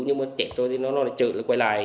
nhưng mà chết rồi thì nó trợ lại quay lại